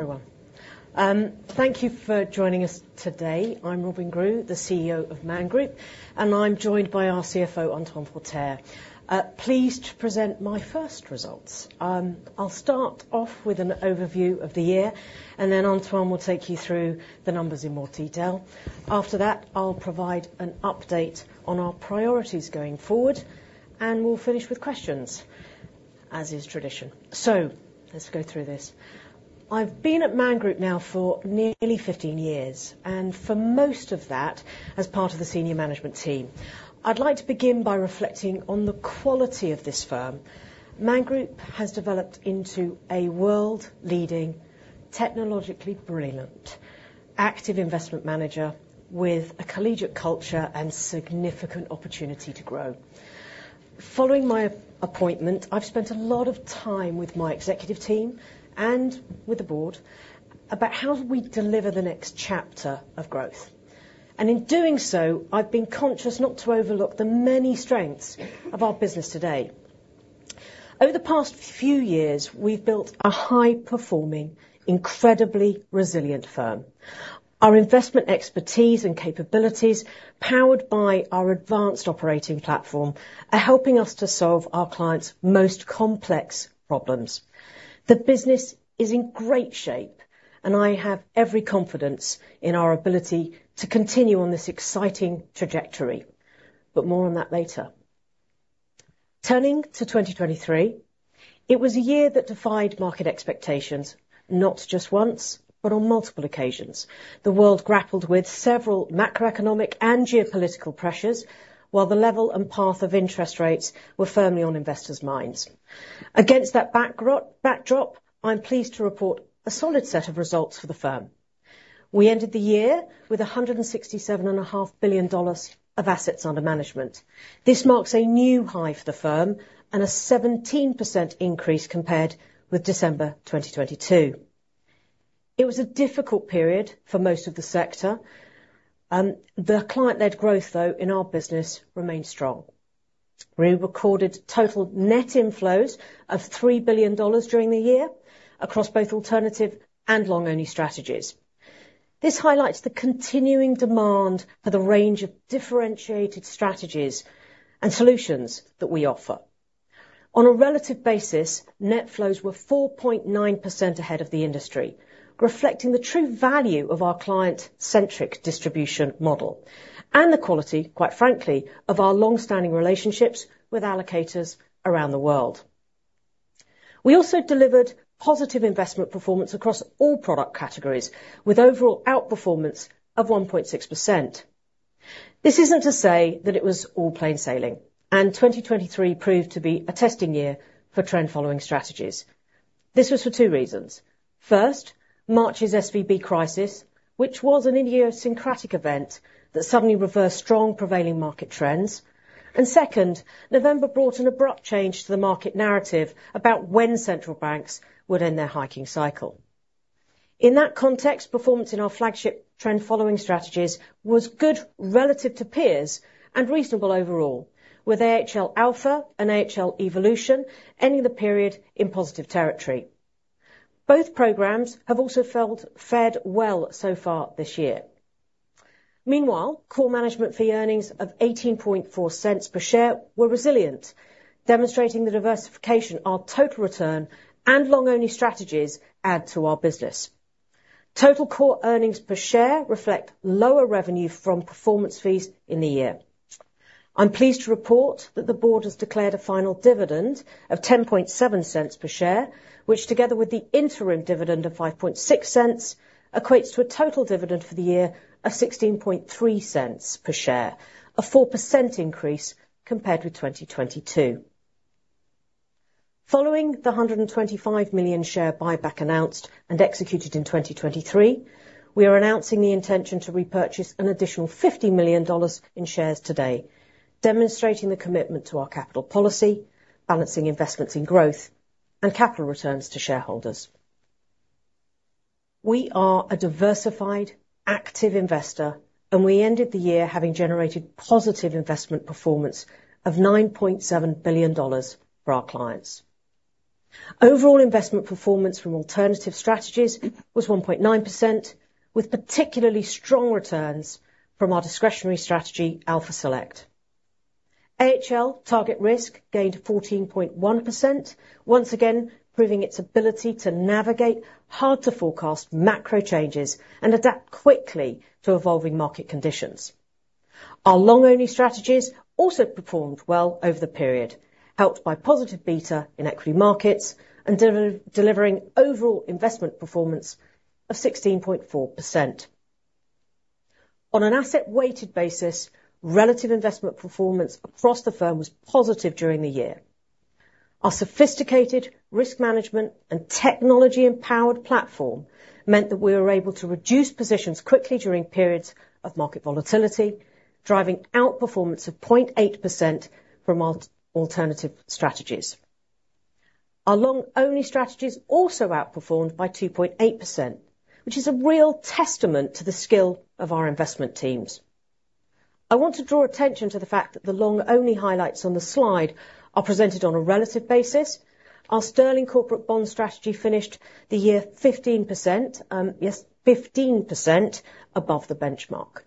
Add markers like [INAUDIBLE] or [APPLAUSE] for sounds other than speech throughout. Well and Thank you for joining us today. I'm Robyn Grew, the CEO of Man Group, and I'm joined by our CFO, Antoine Forterre. Pleased to present my first results. I'll start off with an overview of the year, and then Antoine will take you through the numbers in more detail. After that, I'll provide an update on our priorities going forward, and we'll finish with questions, as is tradition. Let's go through this. I've been at Man Group now for nearly 15 years, and for most of that, as part of the senior management team. I'd like to begin by reflecting on the quality of this firm. Man Group has developed into a world-leading, technologically brilliant, active investment manager with a collegiate culture and significant opportunity to grow. Following my appointment, I've spent a lot of time with my executive team and with the board about how do we deliver the next chapter of growth. In doing so, I've been conscious not to overlook the many strengths of our business today. Over the past few years, we've built a high-performing, incredibly resilient firm. Our investment expertise and capabilities, powered by our advanced operating platform, are helping us to solve our clients' most complex problems. The business is in great shape, and I have every confidence in our ability to continue on this exciting trajectory. More on that later. Turning to 2023, it was a year that defied market expectations, not just once, but on multiple occasions. The world grappled with several macroeconomic and geopolitical pressures, while the level and path of interest rates were firmly on investors' minds. Against that backdrop, I'm pleased to report a solid set of results for the firm. We ended the year with $167.5 billion of assets under management. This marks a new high for the firm and a 17% increase compared with December 2022. It was a difficult period for most of the sector. The client-led growth, though, in our business remained strong. We recorded total net inflows of $3 billion during the year across both alternative and long-only strategies. This highlights the continuing demand for the range of differentiated strategies and solutions that we offer. On a relative basis, net flows were 4.9% ahead of the industry, reflecting the true value of our client-centric distribution model and the quality, quite frankly, of our long-standing relationships with allocators around the world. We also delivered positive investment performance across all product categories, with overall outperformance of 1.6%. This isn't to say that it was all plain sailing, and 2023 proved to be a testing year for trend following strategies. This was for two reasons. First, March's SVB crisis, which was an idiosyncratic event that suddenly reversed strong prevailing market trends. And second, November brought an abrupt change to the market narrative about when central banks would end their hiking cycle. In that context, performance in our flagship trend following strategies was good relative to peers and reasonable overall, with AHL Alpha and AHL Evolution ending the period in positive territory. Both programs have also fared well so far this year. Meanwhile, core management fee earnings of $0.184 per share were resilient, demonstrating the diversification our total return and long-only strategies add to our business. Total core earnings per share reflect lower revenue from performance fees in the year. I'm pleased to report that the board has declared a final dividend of $0.107 per share, which, together with the interim dividend of $0.056, equates to a total dividend for the year of $0.163 per share, a 4% increase compared with 2022. Following the 125 million share buyback announced and executed in 2023, we are announcing the intention to repurchase an additional $50 million in shares today, demonstrating the commitment to our capital policy, balancing investments in growth, and capital returns to shareholders. We are a diversified, active investor, and we ended the year having generated positive investment performance of $9.7 billion for our clients. Overall investment performance from alternative strategies was 1.9%, with particularly strong returns from our discretionary strategy, Alpha Select. AHL TargetRisk gained 14.1%, once again, proving its ability to navigate hard-to-forecast macro changes and adapt quickly to evolving market conditions. Our long-only strategies also performed well over the period, helped by positive beta in equity markets and delivering overall investment performance of 16.4%. On an asset-weighted basis, relative investment performance across the firm was positive during the year. Our sophisticated risk management and technology-empowered platform meant that we were able to reduce positions quickly during periods of market volatility, driving outperformance of 0.8% from our alternative strategies. Our long-only strategies also outperformed by 2.8%, which is a real testament to the skill of our investment teams. I want to draw attention to the fact that the long-only highlights on the slide are presented on a relative basis. Our Sterling corporate bond strategy finished the year 15%, yes, 15% above the benchmark.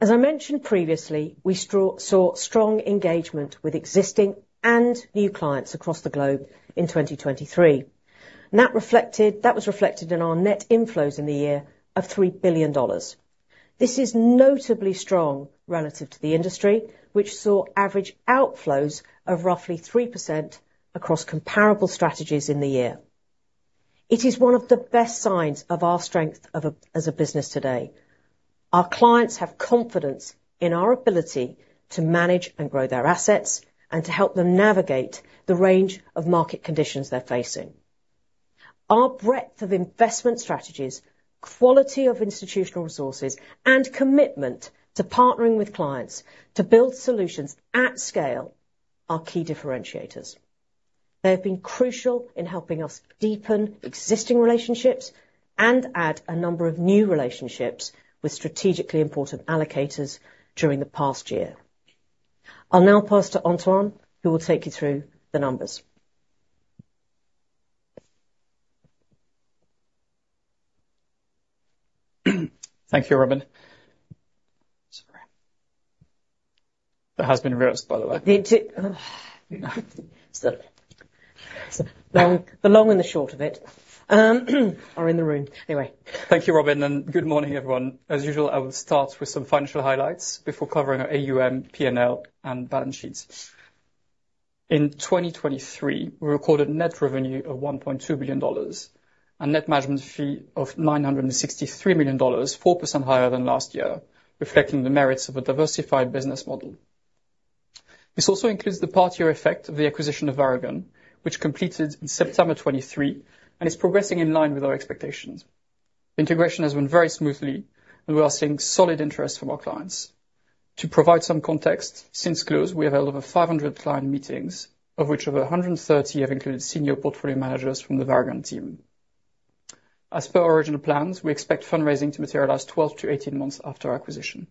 As I mentioned previously, we saw strong engagement with existing and new clients across the globe in 2023. And that reflected, that was reflected in our net inflows in the year of $3 billion. This is notably strong relative to the industry, which saw average outflows of roughly 3% across comparable strategies in the year. It is one of the best signs of our strength as a business today. Our clients have confidence in our ability to manage and grow their assets, and to help them navigate the range of market conditions they're facing. Our breadth of investment strategies, quality of institutional resources, and commitment to partnering with clients to build solutions at scale, are key differentiators. They have been crucial in helping us deepen existing relationships and add a number of new relationships with strategically important allocators during the past year. I'll now pass to Antoine, who will take you through the numbers. Thank you, Robyn. [AUDIO DISTORTION] There has been a rehearsal, by the way. [AUDIO DISTORTION] the long and the short of it are in the room. Anyway. Thank you, Robyn, and good morning, everyone. As usual, I will start with some financial highlights before covering our AUM, P&L, and balance sheets. In 2023, we recorded net revenue of $1.2 billion, and net management fee of $963 million, 4% higher than last year, reflecting the merits of a diversified business model. This also includes the part-year effect of the acquisition of Varagon, which completed in September 2023 and is progressing in line with our expectations. Integration has went very smoothly, and we are seeing solid interest from our clients. To provide some context, since close, we have held over 500 client meetings, of which over 130 have included senior portfolio managers from the Varagon team. As per original plans, we expect fundraising to materialize 12-18 months after acquisition.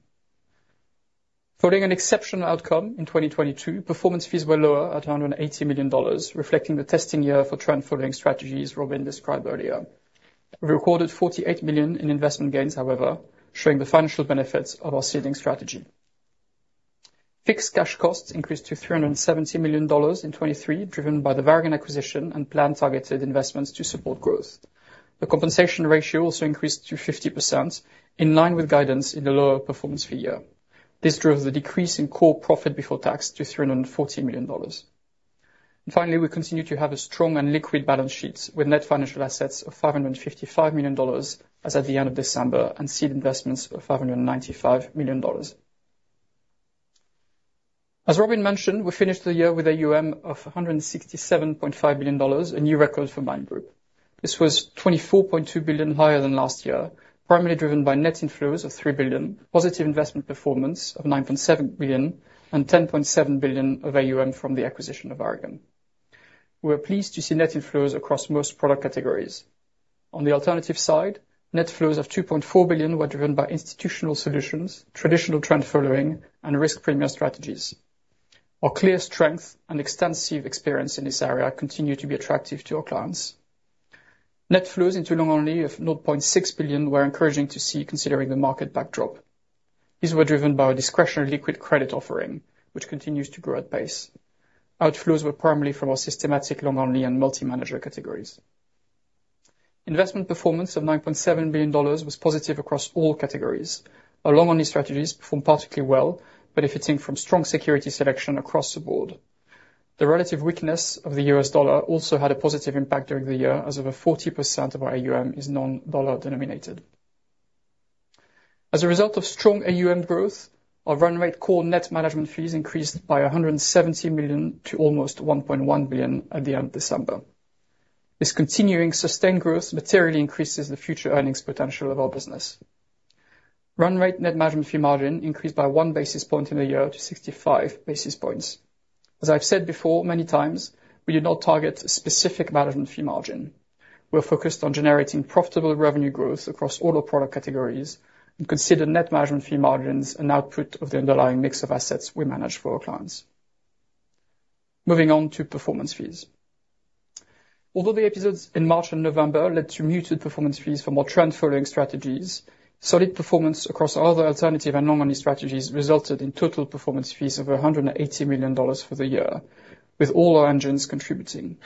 Following an exceptional outcome in 2022, performance fees were lower at $280 million, reflecting the testing year for trend following strategies Robyn described earlier. We recorded $48 million in investment gains, however, showing the financial benefits of our seeding strategy. Fixed cash costs increased to $370 million in 2023, driven by the Varagon acquisition and planned targeted investments to support growth. The compensation ratio also increased to 50%, in line with guidance in the lower performance fee year. This drove the decrease in core profit before tax to $340 million. Finally, we continue to have a strong and liquid balance sheet, with net financial assets of $555 million as at the end of December, and seed investments of $595 million. As Robyn mentioned, we finished the year with AUM of $167.5 billion, a new record for Man Group. This was $24.2 billion higher than last year, primarily driven by net inflows of $3 billion, positive investment performance of $9.7 billion, and $10.7 billion of AUM from the acquisition of Varagon. We're pleased to see net inflows across most product categories. On the alternative side, net flows of $2.4 billion were driven by institutional solutions, traditional trend following, and risk premium strategies. Our clear strength and extensive experience in this area continue to be attractive to our clients. Net flows into long-only of $0.6 billion were encouraging to see, considering the market backdrop. These were driven by our discretionary liquid credit offering, which continues to grow at pace. Outflows were primarily from our systematic long-only, and multi-manager categories. Investment performance of $9.7 billion was positive across all categories. Our long-only strategies performed particularly well, benefiting from strong security selection across the board. The relative weakness of the US dollar also had a positive impact during the year, as over 40% of our AUM is non-dollar denominated. As a result of strong AUM growth, our run rate core net management fees increased by $170 million to almost $1.1 billion at the end of December. This continuing sustained growth materially increases the future earnings potential of our business. Run rate net management fee margin increased by 1 basis point in the year to 65 basis points. As I've said before, many times, we do not target a specific management fee margin. We are focused on generating profitable revenue growth across all our product categories and consider net management fee margins an output of the underlying mix of assets we manage for our clients. Moving on to performance fees. Although the episodes in March and November led to muted performance fees for more trend following strategies, solid performance across all other alternative and long-only strategies resulted in total performance fees of $180 million for the year, with all our engines contributing.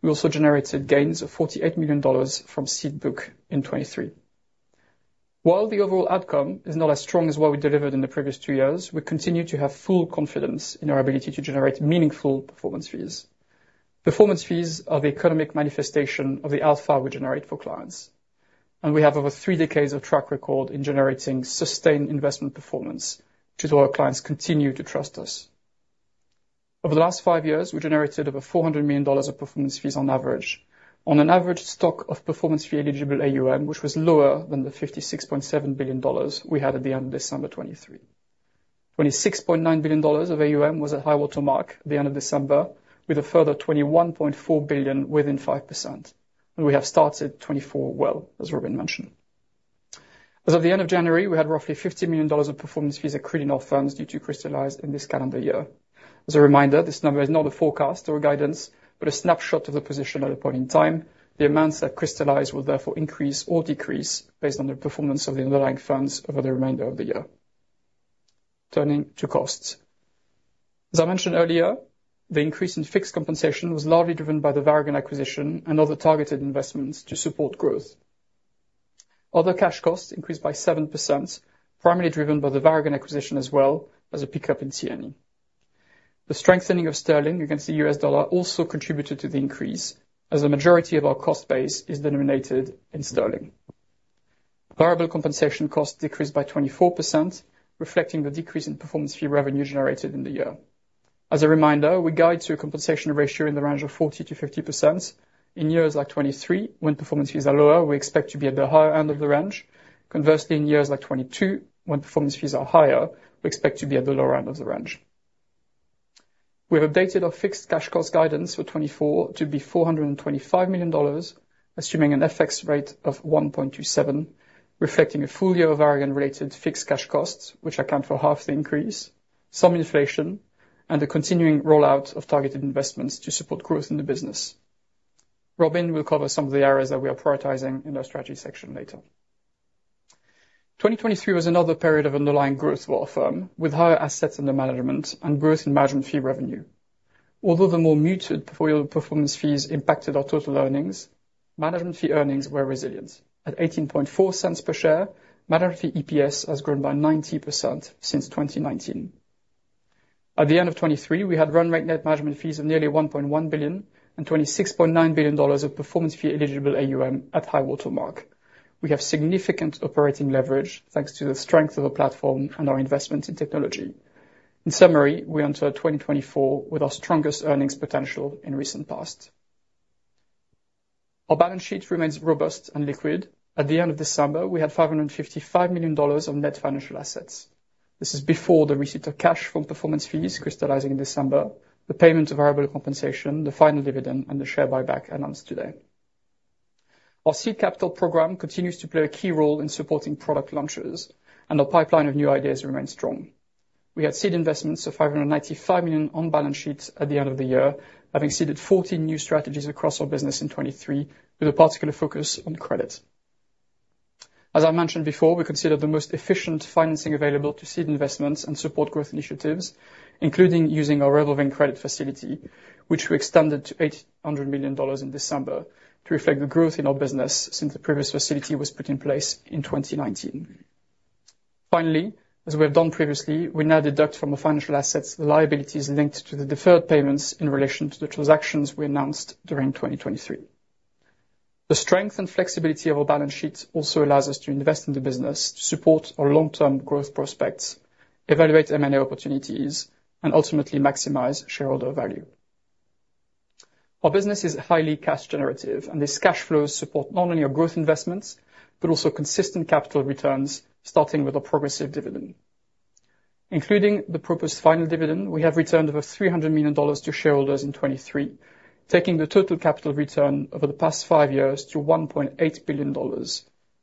We also generated gains of $48 million from seed book in 2023. While the overall outcome is not as strong as what we delivered in the previous two years, we continue to have full confidence in our ability to generate meaningful performance fees. Performance fees are the economic manifestation of the alpha we generate for clients, and we have over three decades of track record in generating sustained investment performance, due to our clients continue to trust us. Over the last five years, we generated over $400 million of performance fees on average, on an average stock of performance fee eligible AUM, which was lower than the $56.7 billion we had at the end of December 2023. $26.9 billion of AUM was a high water mark at the end of December, with a further $21.4 billion within 5%, and we have started 2024 well, as Robyn mentioned. As of the end of January, we had roughly $50 million of performance fees accrued in our funds due to crystallize in this calendar year. As a reminder, this number is not a forecast or a guidance, but a snapshot of the position at a point in time. The amounts that crystallize will therefore increase or decrease based on the performance of the underlying funds over the remainder of the year. Turning to costs. As I mentioned earlier, the increase in fixed compensation was largely driven by the Varagon acquisition and other targeted investments to support growth. Other cash costs increased by 7%, primarily driven by the Varagon acquisition, as well as a pickup in T&E. The strengthening of sterling against the US dollar also contributed to the increase, as a majority of our cost base is denominated in sterling. Variable compensation costs decreased by 24%, reflecting the decrease in performance fee revenue generated in the year. As a reminder, we guide to a compensation ratio in the range of 40%-50%. In years like 2023, when performance fees are lower, we expect to be at the higher end of the range. Conversely, in years like 2022, when performance fees are higher, we expect to be at the lower end of the range. We have updated our fixed cash cost guidance for 2024 to be $425 million, assuming an FX rate of 1.27, reflecting a full year of Varagon-related fixed cash costs, which account for half the increase, some inflation, and the continuing rollout of targeted investments to support growth in the business. Robyn will cover some of the areas that we are prioritizing in our strategy section later. 2023 was another period of underlying growth for our firm, with higher assets under management and growth in management fee revenue. Although the more muted portfolio performance fees impacted our total earnings, management fee earnings were resilient. At $0.184 per share, management fee EPS has grown by 90% since 2019. At the end of 2023, we had run rate net management fees of nearly $1.1 billion and $26.9 billion of performance fee eligible AUM at high water mark. We have significant operating leverage, thanks to the strength of our platform and our investment in technology. In summary, we entered 2024 with our strongest earnings potential in recent past. Our balance sheet remains robust and liquid. At the end of December, we had $555 million of net financial assets. This is before the receipt of cash from performance fees crystallizing in December, the payment of variable compensation, the final dividend, and the share buyback announced today. Our seed capital program continues to play a key role in supporting product launches, and our pipeline of new ideas remains strong. We had seed investments of $595 million on balance sheet at the end of the year, having seeded 14 new strategies across our business in 2023, with a particular focus on credit. As I mentioned before, we consider the most efficient financing available to seed investments and support growth initiatives, including using our revolving credit facility, which we extended to $800 million in December, to reflect the growth in our business since the previous facility was put in place in 2019. Finally, as we have done previously, we now deduct from our financial assets the liabilities linked to the deferred payments in relation to the transactions we announced during 2023. The strength and flexibility of our balance sheet also allows us to invest in the business, to support our long-term growth prospects, evaluate M&A opportunities, and ultimately maximize shareholder value. Our business is highly cash generative, and these cash flows support not only our growth investments, but also consistent capital returns, starting with a progressive dividend. Including the proposed final dividend, we have returned over $300 million to shareholders in 2023, taking the total capital return over the past five years to $1.8 billion,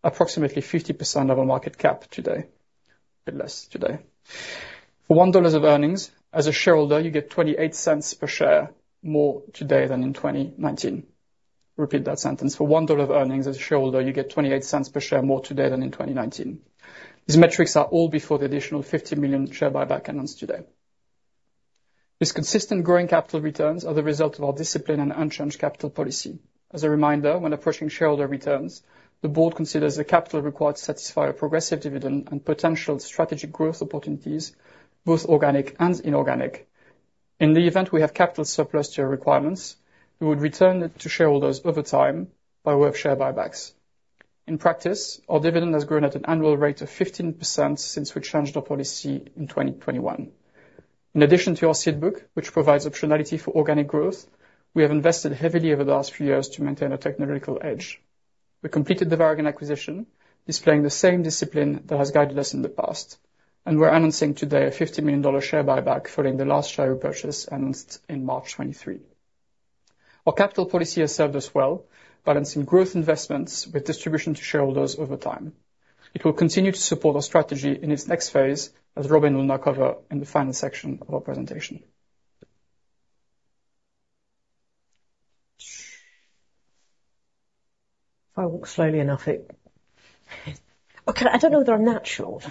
approximately 50% of our market cap today, a bit less today. For one dollar of earnings, as a shareholder, you get $0.28 per share more today than in 2019. Repeat that sentence. For one dollar of earnings as a shareholder, you get $0.28 per share more today than in 2019. These metrics are all before the additional $50 million share buyback announced today. These consistent growing capital returns are the result of our discipline and unchanged capital policy. As a reminder, when approaching shareholder returns, the board considers the capital required to satisfy a progressive dividend and potential strategic growth opportunities, both organic and inorganic. In the event we have capital surplus to our requirements, we would return it to shareholders over time by way of share buybacks. In practice, our dividend has grown at an annual rate of 15% since we changed our policy in 2021. In addition to our seed book, which provides optionality for organic growth, we have invested heavily over the last few years to maintain a technological edge. We completed the Varagon acquisition, displaying the same discipline that has guided us in the past, and we're announcing today a $50 million share buyback following the last share purchase announced in March 2023. Our capital policy has served us well, balancing growth investments with distribution to shareholders over time. It will continue to support our strategy in its next phase, as Robyn will now cover in the final section of our presentation. Okay, I don't know whether I'm natural.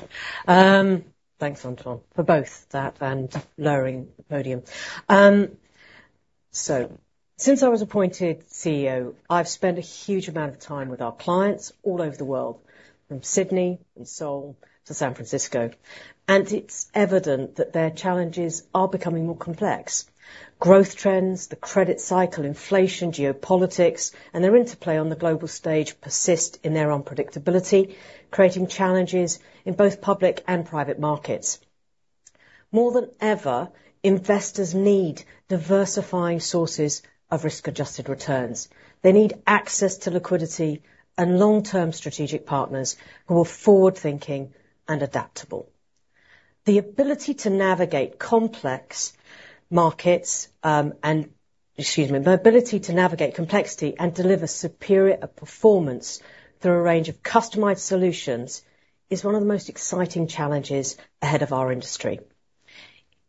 Thanks, Antoine, for both that and lowering the podium. So since I was appointed CEO, I've spent a huge amount of time with our clients all over the world, from Sydney and Seoul to San Francisco, and it's evident that their challenges are becoming more complex. Growth trends, the credit cycle, inflation, geopolitics, and their interplay on the global stage persist in their unpredictability, creating challenges in both public and private markets. More than ever, investors need diversifying sources of risk-adjusted returns. They need access to liquidity and long-term strategic partners who are forward-thinking and adaptable. The ability to navigate complex markets, and, excuse me. The ability to navigate complexity and deliver superior performance through a range of customized solutions, is one of the most exciting challenges ahead of our industry.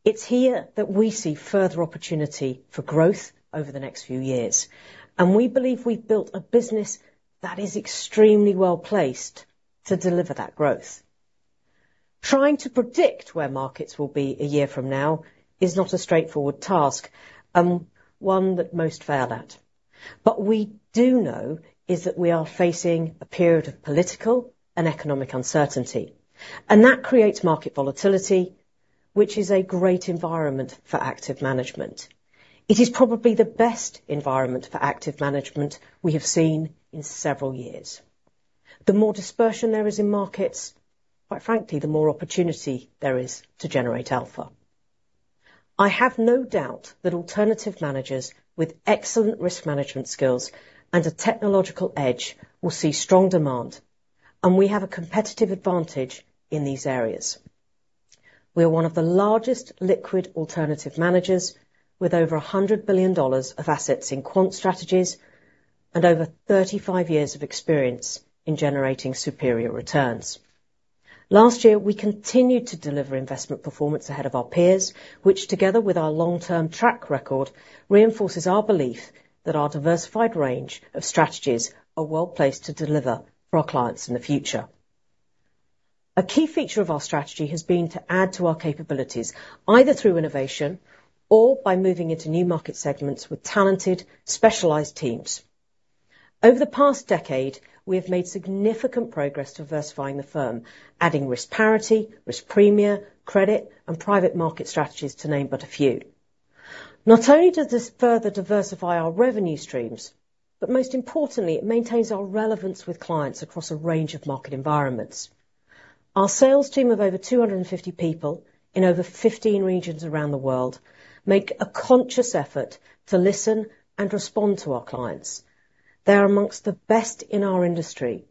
It's here that we see further opportunity for growth over the next few years, and we believe we've built a business that is extremely well-placed to deliver that growth. Trying to predict where markets will be a year from now is not a straightforward task, and one that most fail at. But we do know is that we are facing a period of political and economic uncertainty, and that creates market volatility, which is a great environment for active management. It is probably the best environment for active management we have seen in several years. The more dispersion there is in markets, quite frankly, the more opportunity there is to generate alpha. I have no doubt that alternative managers with excellent risk management skills and a technological edge will see strong demand, and we have a competitive advantage in these areas. We are one of the largest liquid alternative managers, with over $100 billion of assets in quant strategies and over 35 years of experience in generating superior returns. Last year, we continued to deliver investment performance ahead of our peers, which, together with our long-term track record, reinforces our belief that our diversified range of strategies are well-placed to deliver for our clients in the future. A key feature of our strategy has been to add to our capabilities, either through innovation or by moving into new market segments with talented, specialized teams. Over the past decade, we have made significant progress diversifying the firm, adding risk parity, risk premia, credit, and private market strategies, to name but a few. Not only does this further diversify our revenue streams, but most importantly, it maintains our relevance with clients across a range of market environments. Our sales team of over 250 people in over 15 regions around the world make a conscious effort to listen and respond to our clients. They are among the best in our industry,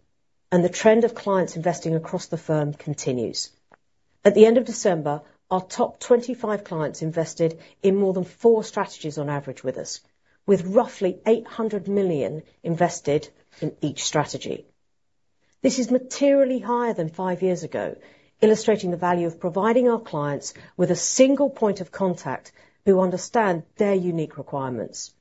and the trend of clients investing across the firm continues. At the end of December, our top 25 clients invested in more than four strategies on average with us, with roughly $800 million invested in each strategy. This is materially higher than five years ago, illustrating the value of providing our clients with a single point of contact who understand their unique requirements.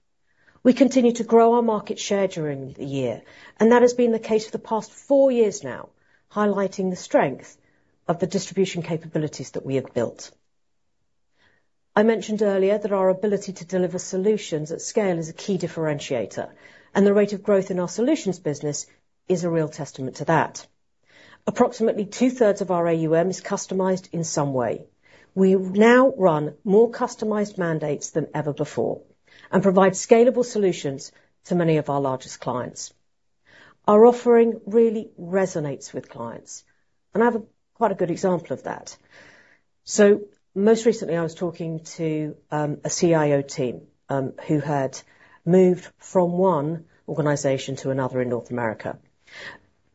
We continued to grow our market share during the year, and that has been the case for the past four years now, highlighting the strength of the distribution capabilities that we have built. I mentioned earlier that our ability to deliver solutions at scale is a key differentiator, and the rate of growth in our solutions business is a real testament to that. Approximately 2/3 of our AUM is customized in some way. We now run more customized mandates than ever before and provide scalable solutions to many of our largest clients. Our offering really resonates with clients, and I have quite a good example of that. So most recently, I was talking to a CIO team who had moved from one organization to another in North America.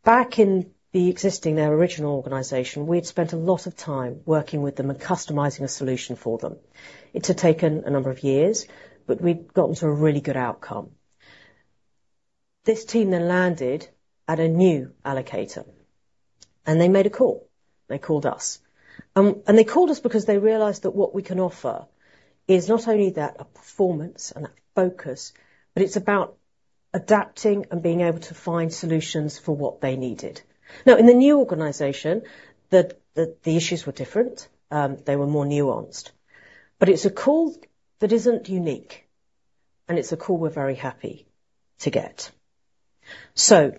Back in their original organization, we'd spent a lot of time working with them and customizing a solution for them. It had taken a number of years, but we'd gotten to a really good outcome. This team then landed at a new allocator, and they made a call. They called us. And they called us because they realized that what we can offer is not only that, a performance and that focus, but it's about adapting and being able to find solutions for what they needed. Now, in the new organization, the issues were different, they were more nuanced. But it's a call that isn't unique, and it's a call we're very happy to get. So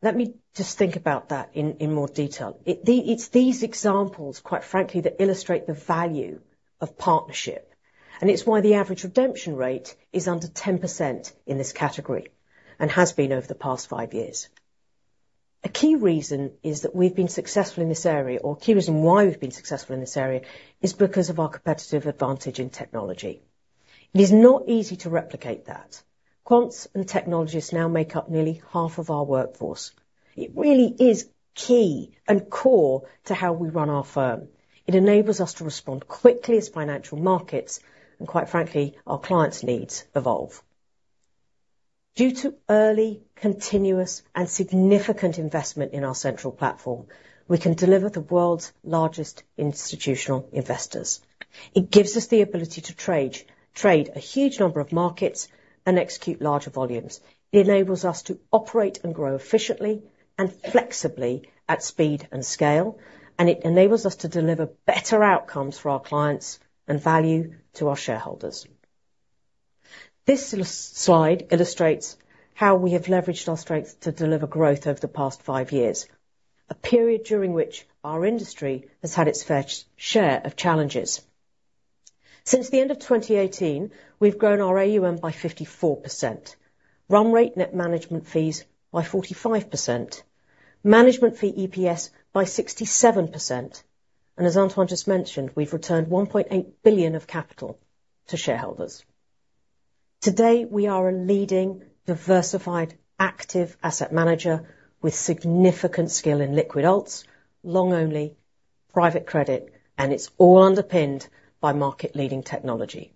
let me just think about that in more detail. It's these examples, quite frankly, that illustrate the value of partnership, and it's why the average redemption rate is under 10% in this category, and has been over the past five years. A key reason is that we've been successful in this area, or a key reason why we've been successful in this area, is because of our competitive advantage in technology. It is not easy to replicate that. Quants and technologists now make up nearly half of our workforce. It really is key and core to how we run our firm. It enables us to respond quickly as financial markets and, quite frankly, our clients' needs evolve. Due to early, continuous, and significant investment in our central platform, we can deliver the world's largest institutional investors. It gives us the ability to trade, trade a huge number of markets and execute larger volumes. It enables us to operate and grow efficiently and flexibly at speed and scale, and it enables us to deliver better outcomes for our clients and value to our shareholders. This slide illustrates how we have leveraged our strengths to deliver growth over the past five years, a period during which our industry has had its fair share of challenges. Since the end of 2018, we've grown our AUM by 54%, run rate net management fees by 45%, management fee EPS by 67%, and as Antoine just mentioned, we've returned $1.8 billion of capital to shareholders. Today, we are a leading, diversified, active asset manager with significant skill in liquid alts, long only, private credit, and it's all underpinned by market-leading technology.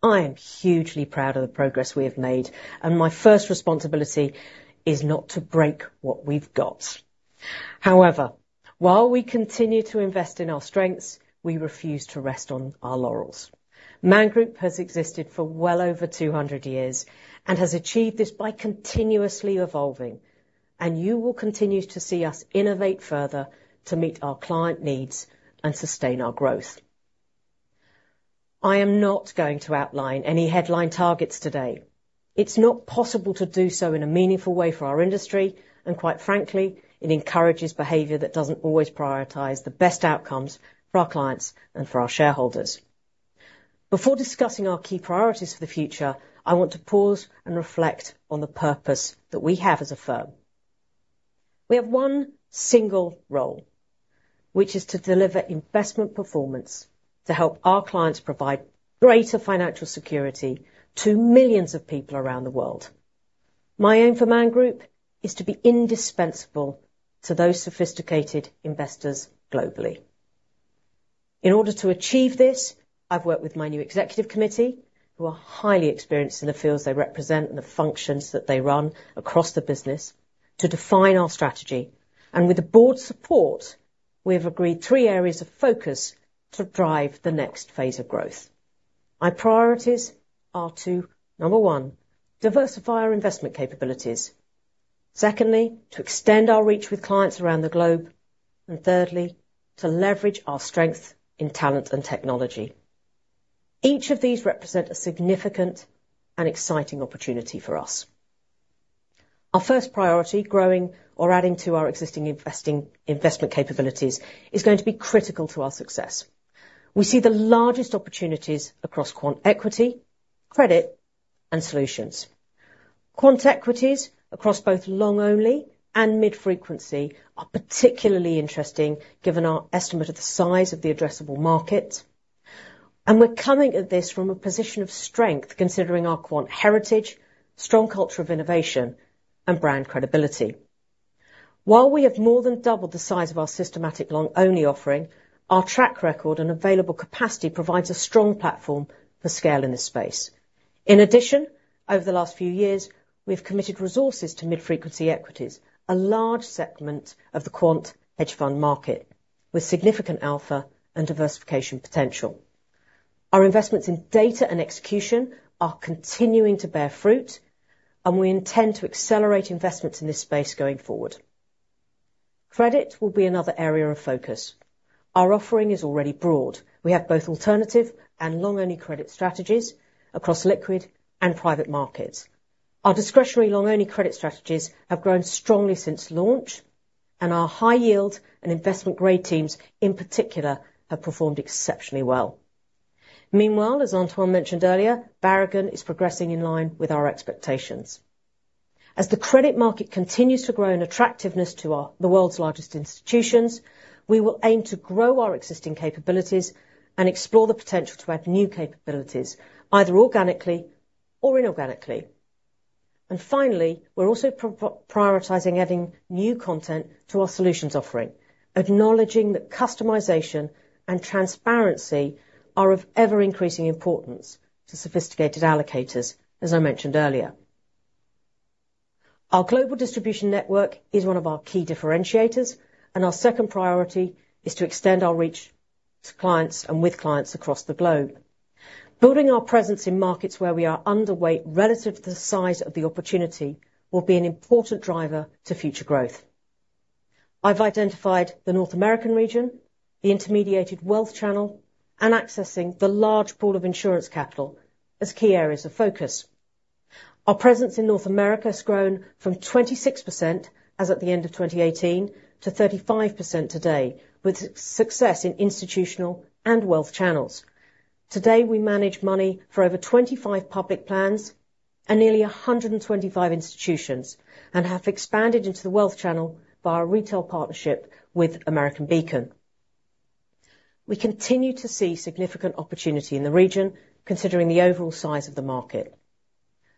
I am hugely proud of the progress we have made, and my first responsibility is not to break what we've got. However, while we continue to invest in our strengths, we refuse to rest on our laurels. Man Group has existed for well over 200 years and has achieved this by continuously evolving, and you will continue to see us innovate further to meet our client needs and sustain our growth. I am not going to outline any headline targets today. It's not possible to do so in a meaningful way for our industry, and quite frankly, it encourages behavior that doesn't always prioritize the best outcomes for our clients and for our shareholders. Before discussing our key priorities for the future, I want to pause and reflect on the purpose that we have as a firm. We have one single role, which is to deliver investment performance to help our clients provide greater financial security to millions of people around the world. My aim for Man Group is to be indispensable to those sophisticated investors globally. In order to achieve this, I've worked with my new executive committee, who are highly experienced in the fields they represent and the functions that they run across the business, to define our strategy, and with the board's support, we have agreed three areas of focus to drive the next phase of growth. My priorities are to, number one, diversify our investment capabilities. Secondly, to extend our reach with clients around the globe, and thirdly, to leverage our strength in talent and technology. Each of these represent a significant and exciting opportunity for us. Our first priority, growing or adding to our existing investing, investment capabilities, is going to be critical to our success. We see the largest opportunities across quant equity, credit, and solutions. Quant equities, across both long-only and mid-frequency, are particularly interesting given our estimate of the size of the addressable market. We're coming at this from a position of strength, considering our quant heritage, strong culture of innovation, and brand credibility. While we have more than doubled the size of our systematic long-only offering, our track record and available capacity provides a strong platform for scale in this space. In addition, over the last few years, we've committed resources to mid-frequency equities, a large segment of the quant hedge fund market with significant alpha and diversification potential. Our investments in data and execution are continuing to bear fruit, and we intend to accelerate investments in this space going forward. Credit will be another area of focus. Our offering is already broad. We have both alternative and long-only credit strategies across liquid and private markets. Our discretionary long-only credit strategies have grown strongly since launch, and our high yield and investment grade teams, in particular, have performed exceptionally well. Meanwhile, as Antoine mentioned earlier, Varagon is progressing in line with our expectations. As the credit market continues to grow in attractiveness to our, the world's largest institutions, we will aim to grow our existing capabilities and explore the potential to add new capabilities, either organically or inorganically. Finally, we're also proactively prioritizing adding new content to our solutions offering, acknowledging that customization and transparency are of ever-increasing importance to sophisticated allocators, as I mentioned earlier. Our global distribution network is one of our key differentiators, and our second priority is to extend our reach to clients and with clients across the globe. Building our presence in markets where we are underway relative to the size of the opportunity will be an important driver to future growth. I've identified the North American region, the intermediated wealth channel, and accessing the large pool of insurance capital as key areas of focus. Our presence in North America has grown from 26%, as at the end of 2018, to 35% today, with success in institutional and wealth channels. Today, we manage money for over 25 public plans and nearly 125 institutions and have expanded into the wealth channel via a retail partnership with American Beacon. We continue to see significant opportunity in the region, considering the overall size of the market.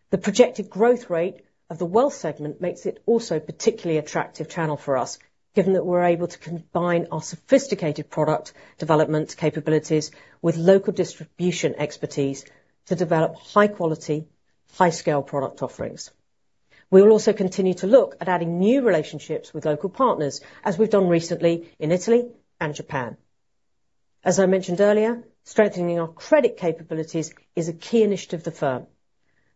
The projected growth rate of the wealth segment makes it also a particularly attractive channel for us, given that we're able to combine our sophisticated product development capabilities with local distribution expertise to develop high quality, high scale product offerings. We will also continue to look at adding new relationships with local partners, as we've done recently in Italy and Japan. As I mentioned earlier, strengthening our credit capabilities is a key initiative of the firm,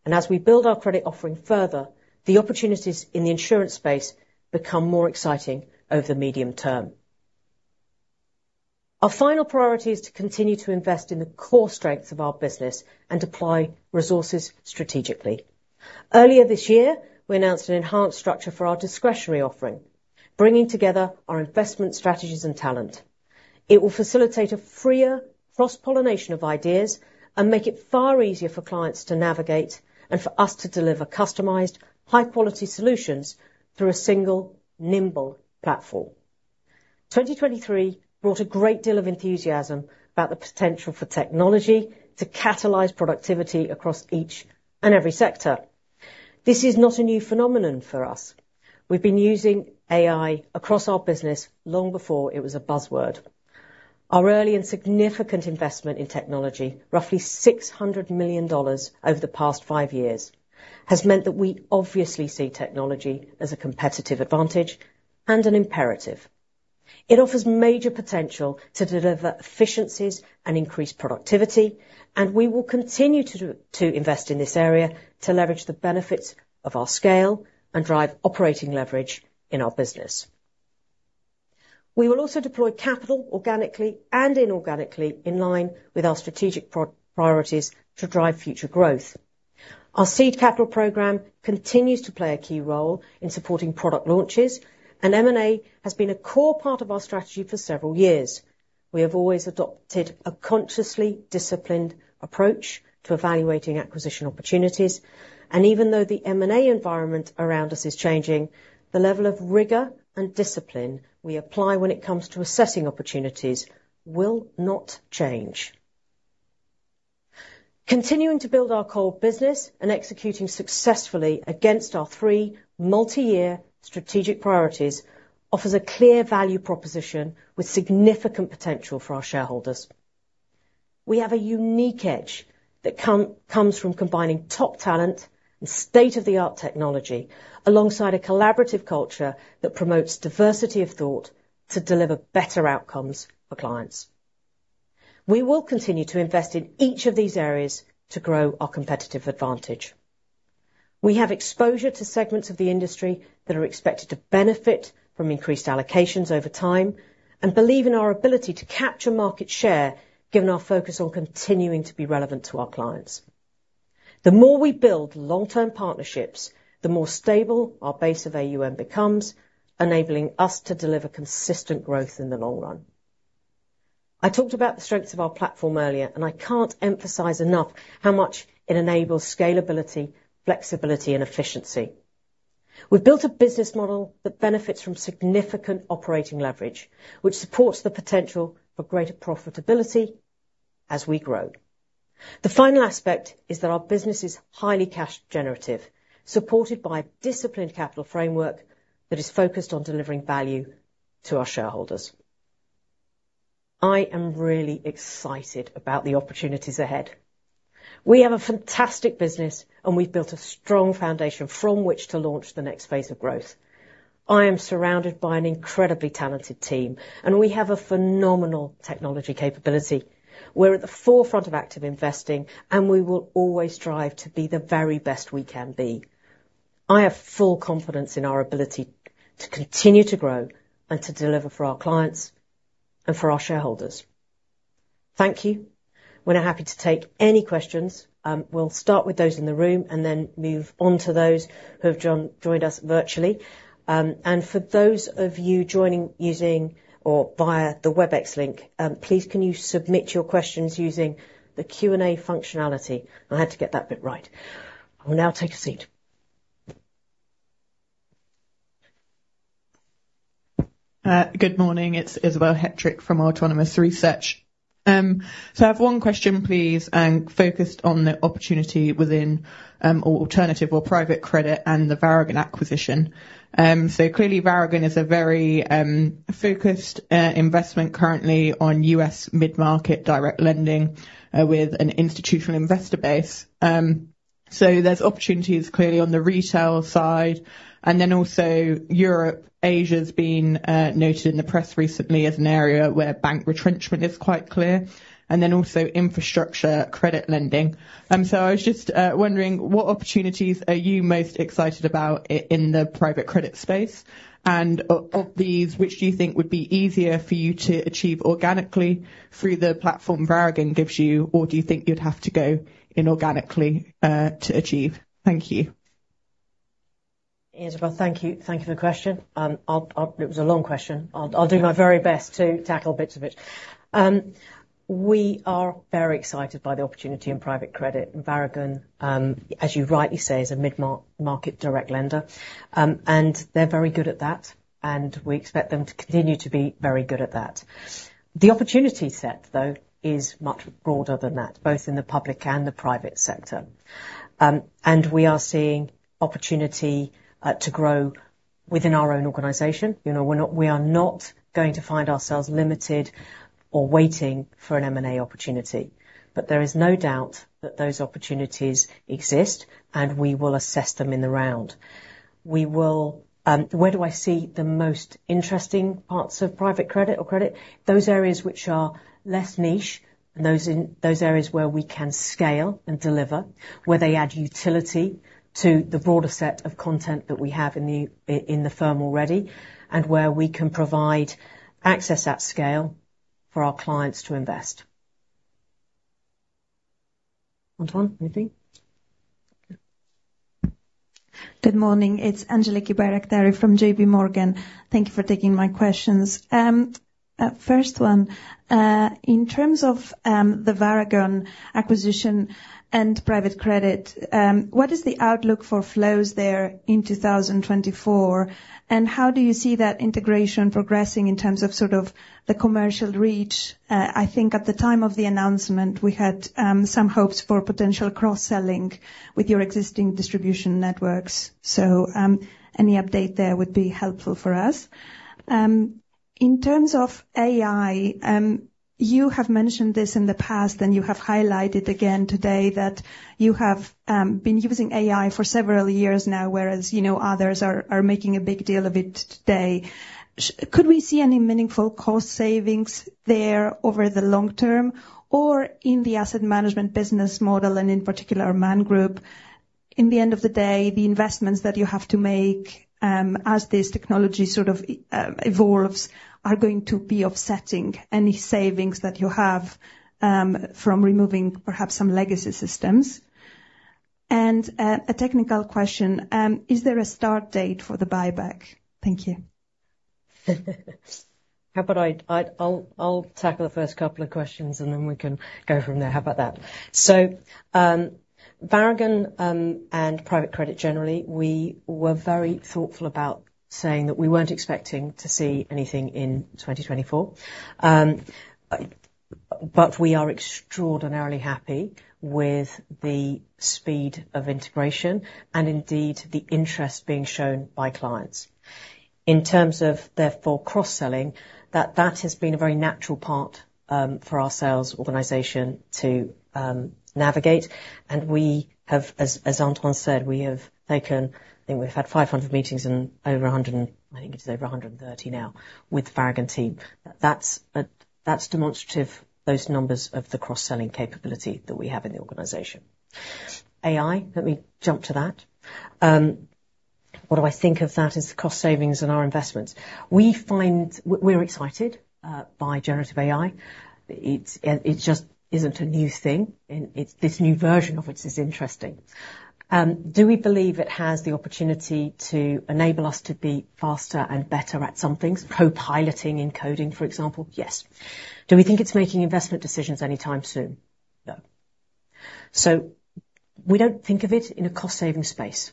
and as we build our credit offering further, the opportunities in the insurance space become more exciting over the medium term. Our final priority is to continue to invest in the core strengths of our business and apply resources strategically. Earlier this year, we announced an enhanced structure for our discretionary offering, bringing together our investment strategies and talent. It will facilitate a freer cross-pollination of ideas and make it far easier for clients to navigate, and for us to deliver customized, high-quality solutions through a single, nimble platform. 2023 brought a great deal of enthusiasm about the potential for technology to catalyze productivity across each and every sector. This is not a new phenomenon for us. We've been using AI across our business long before it was a buzzword. Our early and significant investment in technology, roughly $600 million over the past five years, has meant that we obviously see technology as a competitive advantage and an imperative. It offers major potential to deliver efficiencies and increase productivity, and we will continue to invest in this area to leverage the benefits of our scale and drive operating leverage in our business. We will also deploy capital organically and inorganically, in line with our strategic priorities to drive future growth. Our seed capital program continues to play a key role in supporting product launches, and M&A has been a core part of our strategy for several years. We have always adopted a consciously disciplined approach to evaluating acquisition opportunities, and even though the M&A environment around us is changing, the level of rigor and discipline we apply when it comes to assessing opportunities will not change. Continuing to build our core business and executing successfully against our three multi-year strategic priorities offers a clear value proposition with significant potential for our shareholders. We have a unique edge that comes from combining top talent and state-of-the-art technology, alongside a collaborative culture that promotes diversity of thought to deliver better outcomes for clients. We will continue to invest in each of these areas to grow our competitive advantage. We have exposure to segments of the industry that are expected to benefit from increased allocations over time, and believe in our ability to capture market share, given our focus on continuing to be relevant to our clients. The more we build long-term partnerships, the more stable our base of AUM becomes, enabling us to deliver consistent growth in the long run. I talked about the strengths of our platform earlier, and I can't emphasize enough how much it enables scalability, flexibility, and efficiency. We've built a business model that benefits from significant operating leverage, which supports the potential for greater profitability as we grow. The final aspect is that our business is highly cash generative, supported by a disciplined capital framework that is focused on delivering value to our shareholders. I am really excited about the opportunities ahead. We have a fantastic business, and we've built a strong foundation from which to launch the next phase of growth. I am surrounded by an incredibly talented team, and we have a phenomenal technology capability. We're at the forefront of active investing, and we will always strive to be the very best we can be. I have full confidence in our ability to continue to grow and to deliver for our clients and for our shareholders. Thank you. We're happy to take any questions. We'll start with those in the room and then move on to those who have joined us virtually. For those of you joining, using or via the Webex link, please can you submit your questions using the Q&A functionality? I had to get that bit right. I will now take a seat. Good morning, it's Isobel Hettrick from Autonomous Research. So I have one question, please, and focused on the opportunity within alternative or private credit and the Varagon acquisition. So clearly, Varagon is a very focused investment currently on U.S. mid-market direct lending with an institutional investor base. So there's opportunities clearly on the retail side, and then also Europe. Asia's been noted in the press recently as an area where bank retrenchment is quite clear, and then also infrastructure credit lending. So I was just wondering, what opportunities are you most excited about in the private credit space? And of these, which do you think would be easier for you to achieve organically through the platform Varagon gives you, or do you think you'd have to go inorganically to achieve? Thank you. Isobel, thank you. Thank you for the question. It was a long question. I'll do my very best to tackle bits of it. We are very excited by the opportunity in private credit, and Varagon, as you rightly say, is a mid-market direct lender. And they're very good at that, and we expect them to continue to be very good at that. The opportunity set, though, is much broader than that, both in the public and the private sector. And we are seeing opportunity to grow within our own organization. You know, we're not going to find ourselves limited or waiting for an M&A opportunity, but there is no doubt that those opportunities exist, and we will assess them in the round. We will... Where do I see the most interesting parts of private credit or credit? Those areas which are less niche and those areas where we can scale and deliver, where they add utility to the broader set of content that we have in the firm already, and where we can provide access at scale for our clients to invest. Antoine, anything? Good morning, it's Angeliki Bairaktari from JPMorgan. Thank you for taking my questions. First one, in terms of the Varagon acquisition and private credit, what is the outlook for flows there in 2024? And how do you see that integration progressing in terms of sort of the commercial reach? I think at the time of the announcement, we had some hopes for potential cross-selling with your existing distribution networks. So, any update there would be helpful for us. In terms of AI, you have mentioned this in the past, and you have highlighted again today that you have been using AI for several years now, whereas, you know, others are making a big deal of it today. Could we see any meaningful cost savings there over the long term, or in the asset management business model, and in particular, Man Group? In the end of the day, the investments that you have to make, as this technology sort of evolves, are going to be offsetting any savings that you have from removing perhaps some legacy systems? And a technical question: Is there a start date for the buyback? Thank you. How about I'll tackle the first couple of questions, and then we can go from there. How about that? So, Varagon and private credit, generally, we were very thoughtful about saying that we weren't expecting to see anything in 2024. But we are extraordinarily happy with the speed of integration and indeed, the interest being shown by clients. In terms of, therefore, cross-selling, that has been a very natural part for our sales organization to navigate, and we have, as Antoine said, we have taken... I think we've had 500 meetings in over 100 and, I think it's over 130 now, with Varagon team. That's demonstrative those numbers of the cross-selling capability that we have in the organization. AI, let me jump to that. What do I think of that as cost savings and our investments? We find we're excited by generative AI. It's just isn't a new thing, and it's this new version of which is interesting. Do we believe it has the opportunity to enable us to be faster and better at some things, co-piloting and coding, for example? Yes. Do we think it's making investment decisions anytime soon? No. So we don't think of it in a cost-saving space.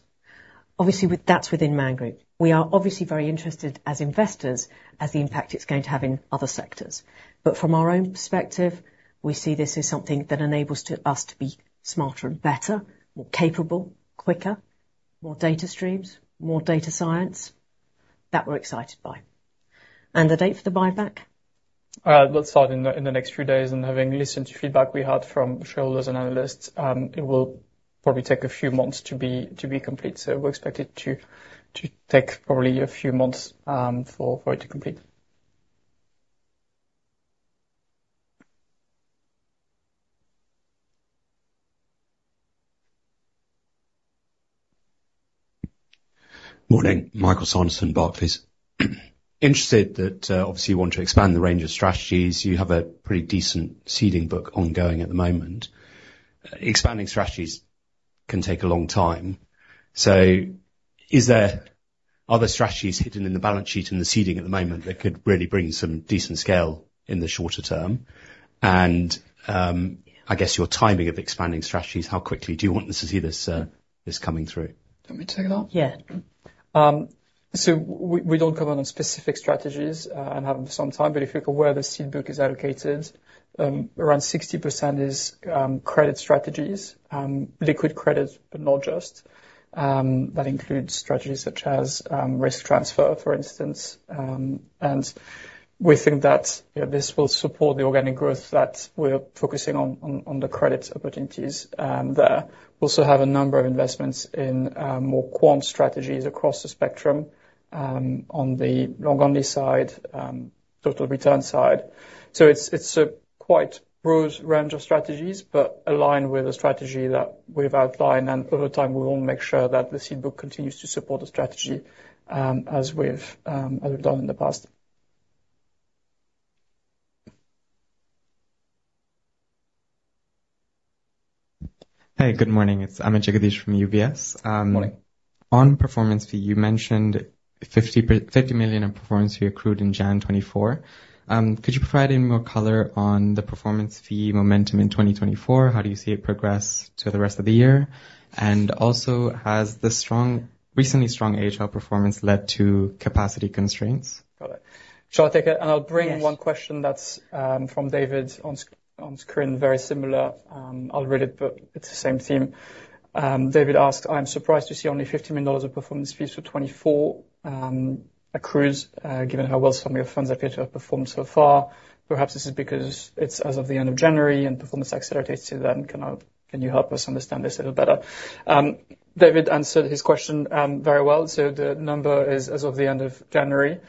Obviously, that's within Man Group. We are obviously very interested as investors, as the impact it's going to have in other sectors. But from our own perspective, we see this as something that enables to us to be smarter and better, more capable, quicker, more data streams, more data science. That we're excited by. And the date for the buyback? We'll start in the next few days, and having listened to feedback we had from shareholders and analysts, it will probably take a few months to be complete. So we expect it to take probably a few months for it to complete. Morning, Michael Sanderson, Barclays. Interested that, obviously you want to expand the range of strategies. You have a pretty decent seeding book ongoing at the moment. Expanding strategies can take a long time. So is there other strategies hidden in the balance sheet and the seeding at the moment that could really bring some decent scale in the shorter term? And, I guess, your timing of expanding strategies, how quickly do you want us to see this, this coming through? You want me to take that? Yeah. So we don't cover on specific strategies and have them some time. But if you're aware, the seed book is allocated around 60% is credit strategies, liquid credit, but not just. That includes strategies such as risk transfer, for instance. And we think that, you know, this will support the organic growth that we're focusing on, on, on the credit opportunities there. We also have a number of investments in more quant strategies across the spectrum on the long-only side, total return side. So it's a quite broad range of strategies, but aligned with the strategy that we've outlined, and over time, we will make sure that the seed book continues to support the strategy as we've as we've done in the past. Hey, good morning. It's Amit Jagadeesh from UBS. Good morning. On performance fee, you mentioned $50 million in performance fee accrued in January 2024. Could you provide any more color on the performance fee momentum in 2024? How do you see it progress to the rest of the year? And also, has the strong, recently strong AHL performance led to capacity constraints? Got it. Shall I take it? Yes. I'll bring one question that's from David on screen, very similar. I'll read it, but it's the same theme. David asked: I'm surprised to see only $50 million of performance fees for 2024 accruals, given how well some of your funds appear to have performed so far. Perhaps this is because it's as of the end of January and performance accelerates to then. Can you help us understand this a little better? David answered his question very well, so the number is as of the end of January.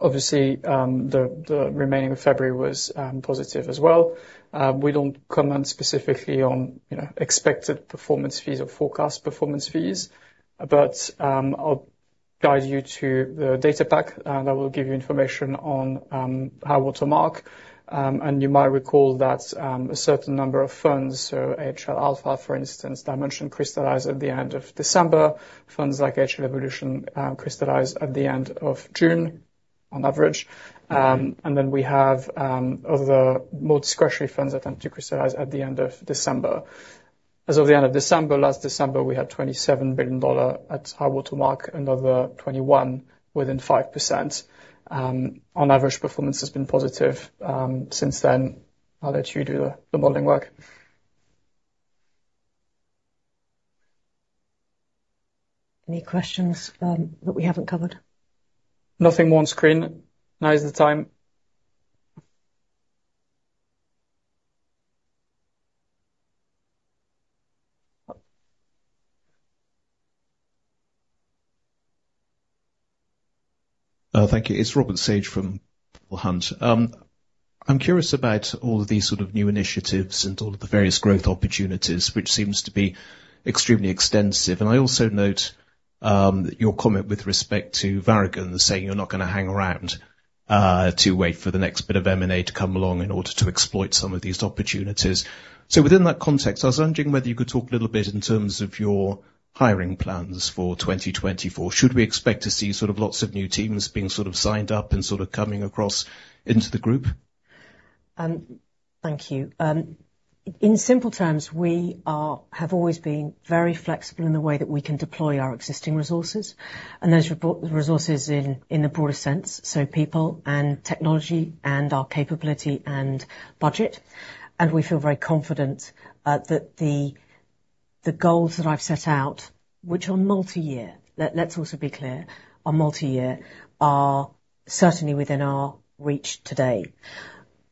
Obviously, the remaining of February was positive as well. We don't comment specifically on, you know, expected performance fees or forecast performance fees, but I'll guide you to the data pack that will give you information on high water mark. And you might recall that a certain number of funds, so AHL Alpha, for instance, Dimension crystallize at the end of December. Funds like AHL Evolution crystallize at the end of June, on average. And then we have other more discretionary funds that tend to crystallize at the end of December. As of the end of December, last December, we had $27 billion at high water mark, another $21 billion within 5%. On average, performance has been positive since then. I'll let you do the modeling work. Any questions, that we haven't covered? Nothing more on screen. Now is the time. Thank you. It's Robert Sage from Peel Hunt. I'm curious about all of these sort of new initiatives and all of the various growth opportunities, which seems to be extremely extensive. I also note your comment with respect to Varagon, saying you're not gonna hang around to wait for the next bit of M&A to come along in order to exploit some of these opportunities. So within that context, I was wondering whether you could talk a little bit in terms of your hiring plans for 2024. Should we expect to see sort of lots of new teams being sort of signed up and sort of coming across into the group? Thank you. In simple terms, we have always been very flexible in the way that we can deploy our existing resources, and those resources in, in the broadest sense, so people and technology and our capability and budget. And we feel very confident that the goals that I've set out, which are multi-year, let's also be clear, are multi-year, are certainly within our reach today.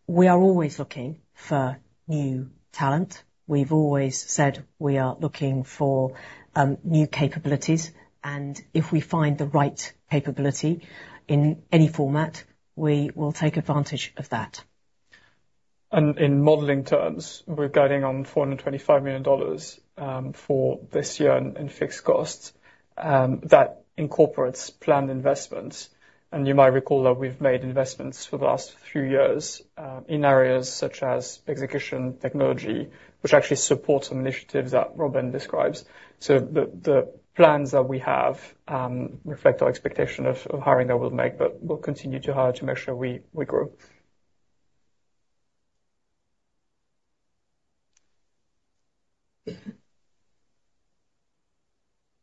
We are always looking for new talent. We've always said we are looking for new capabilities, and if we find the right capability in any format, we will take advantage of that. In modeling terms, we're guiding on $425 million for this year in fixed costs. That incorporates planned investments. And you might recall that we've made investments for the last few years in areas such as execution technology, which actually supports some initiatives that Robyn describes. So the plans that we have reflect our expectation of hiring that we'll make, but we'll continue to hire to make sure we grow.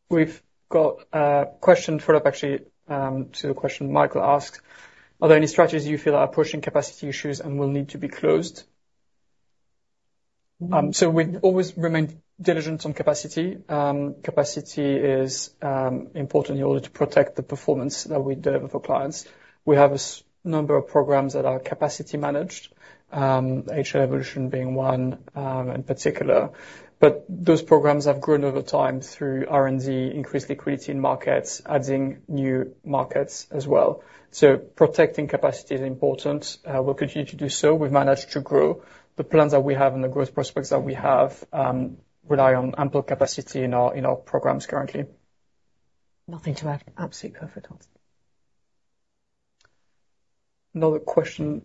We've got a question follow-up, actually, to the question Michael asked: Are there any strategies you feel are approaching capacity issues and will need to be closed? So we always remain diligent on capacity. Capacity is important in order to protect the performance that we deliver for clients. We have a number of programs that are capacity managed, AHL Evolution being one, in particular. But those programs have grown over time through R&D, increased liquidity in markets, adding new markets as well. So protecting capacity is important. We'll continue to do so. We've managed to grow. The plans that we have and the growth prospects that we have rely on ample capacity in our programs currently. Nothing to add. Absolutely perfect answer. Another question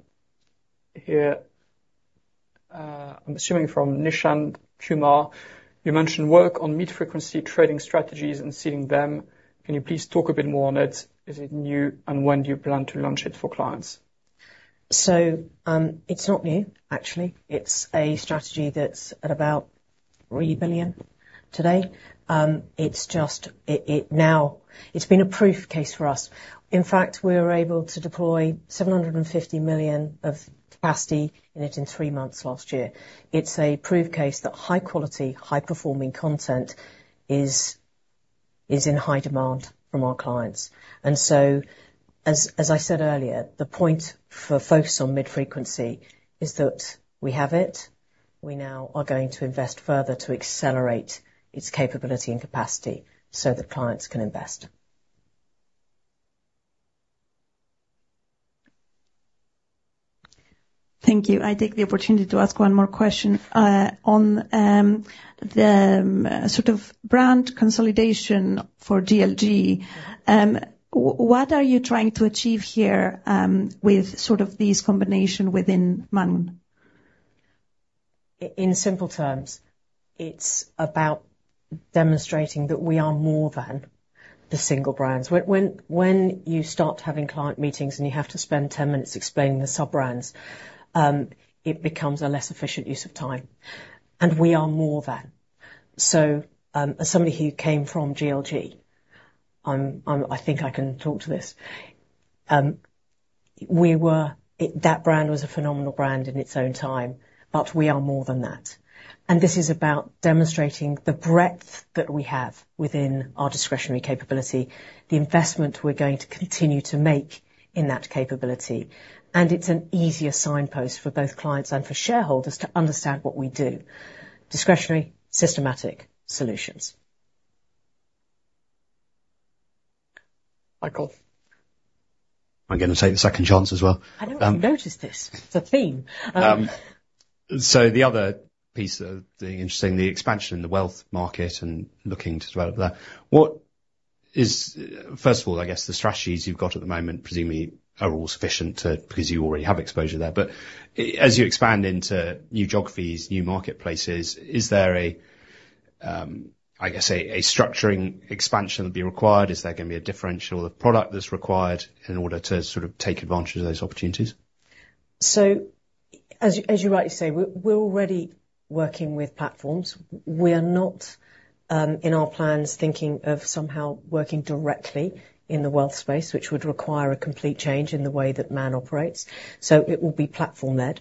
here, I'm assuming from Nishant Kumar. You mentioned work on mid-frequency trading strategies and seeing them. Can you please talk a bit more on it? Is it new, and when do you plan to launch it for clients? So, it's not new, actually. It's a strategy that's at about $3 billion today. It's just, now it's been a proof case for us. In fact, we were able to deploy $750 million of capacity in it in three months last year. It's a proof case that high quality, high performing content is in high demand from our clients. And so, as I said earlier, the point for focus on mid-frequency is that we have it. We now are going to invest further to accelerate its capability and capacity so that clients can invest. Thank you. I take the opportunity to ask one more question on the sort of brand consolidation for GLG. What are you trying to achieve here with sort of these combination within Man? In simple terms, it's about demonstrating that we are more than the single brands. When you start having client meetings, and you have to spend ten minutes explaining the sub-brands, it becomes a less efficient use of time, and we are more than. So, as somebody who came from GLG, I think I can talk to this. That brand was a phenomenal brand in its own time, but we are more than that. And this is about demonstrating the breadth that we have within our discretionary capability, the investment we're going to continue to make in that capability. And it's an easier signpost for both clients and for shareholders to understand what we do: discretionary, systematic solutions. Michael? I'm gonna take the second chance as well. I don't notice this. It's a theme. So the other piece of the interesting, the expansion in the wealth market and looking to develop that, what is... First of all, I guess the strategies you've got at the moment presumably are all sufficient to, because you already have exposure there. But as you expand into new geographies, new marketplaces, is there a, I guess a, a structuring expansion that'll be required? Is there gonna be a differential of product that's required in order to sort of take advantage of those opportunities? So as you, as you rightly say, we're already working with platforms. We are not in our plans thinking of somehow working directly in the wealth space, which would require a complete change in the way that Man operates. So it will be platform-led.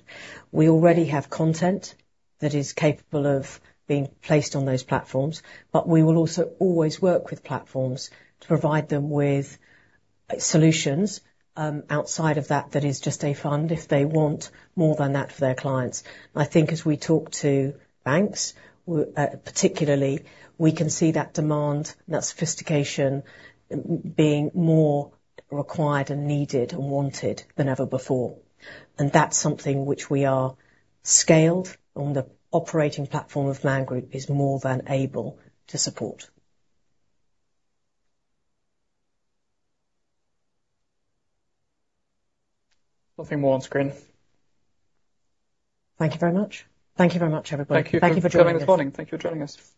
We already have content that is capable of being placed on those platforms, but we will also always work with platforms to provide them with solutions outside of that, that is just a fund, if they want more than that for their clients. And I think as we talk to banks, particularly, we can see that demand, that sophistication being more required and needed and wanted than ever before. And that's something which we are scaled on the operating platform of Man Group is more than able to support. Nothing more on screen. Thank you very much. Thank you very much, everybody. Thank you. Thank you for joining us. Thank you for joining us.